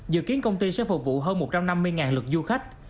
dự kiến công ty sẽ phục vụ hơn một trăm năm mươi lượt du khách